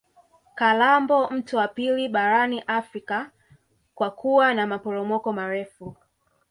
kalambo mto wa pili barani afrika kwa kuwa na maporomoko marefu